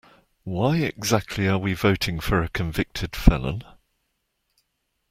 Why exactly are we voting for a convicted felon?